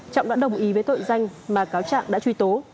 trọng đã đồng ý với tội danh mà cáo trạng đã truy tố